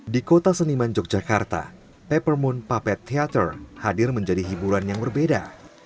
di kota seniman yogyakarta peppermint puppet theater hadir menjadi hiburan yang berbeda